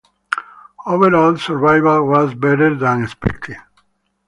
Overall survival was better than expected.